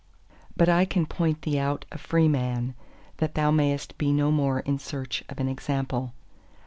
But I can point thee out a free man, that thou mayest be no more in search of an example.